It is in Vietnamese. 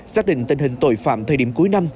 xác định tình hình tội phạm thời điểm cuối năm